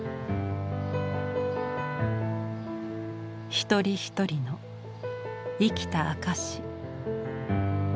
一人一人の生きた証し。